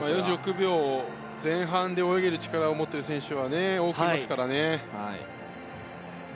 ４６秒前半で泳げる力を持っている選手は多くいますからね。